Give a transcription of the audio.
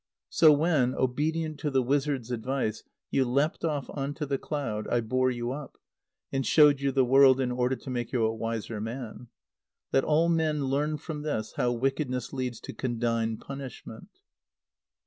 So when, obedient to the wizard's advice, you leapt off on to the cloud, I bore you up, and showed you the world in order to make you a wiser man. Let all men learn from this how wickedness leads to condign punishment!"